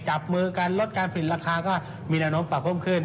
จับมือกันลดการผลิตราคาก็มีแนวโน้มปรับเพิ่มขึ้น